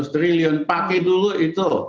lima ratus triliun pakai dulu itu